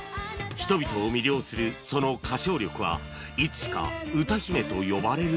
人々を魅了するその歌唱力はいつしか歌姫と呼ばれるように